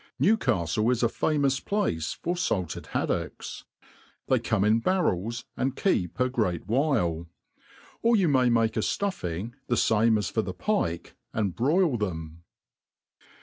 Newcafile is a famous place for faked haddocks. They come in barrels, and keep a great while. Or you may make a fluffing the fame 9S for the pike, and broil them.